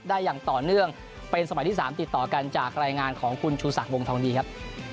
อย่างต่อเนื่องเป็นสมัยที่๓ติดต่อกันจากรายงานของคุณชูศักดิ์วงทองดีครับ